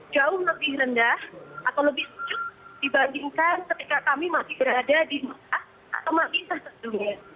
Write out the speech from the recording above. jauh lebih rendah atau lebih sejuk dibandingkan ketika kami masih berada di mekah atau mabisa tentunya